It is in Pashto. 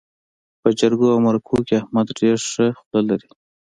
په جرګو او مرکو کې احمد ډېره ښه خوله لري.